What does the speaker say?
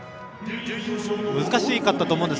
難しかったと思うんです。